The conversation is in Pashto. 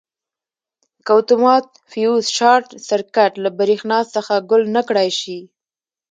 که اتومات فیوز شارټ سرکټ له برېښنا څخه ګل نه کړای شي.